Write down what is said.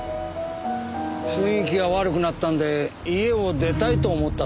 雰囲気が悪くなったんで家を出たいと思ったそうです。